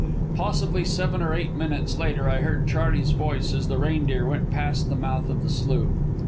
Possibly seven or eight minutes later I heard Charley's voice as the Reindeer went past the mouth of the slough.